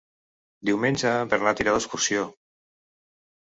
Diumenge en Bernat irà d'excursió.